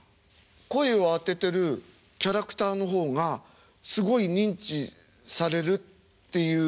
声をあててるキャラクターの方がすごい認知されるっていうのはどんな感じ。